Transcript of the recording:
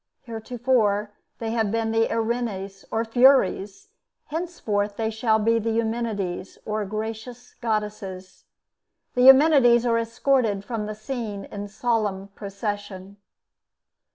Heretofore they have been the Erinnyes, or Furies; henceforth they shall be the Eumenides, or Gracious Goddesses. The Eumenides are escorted from the scene in solemn procession.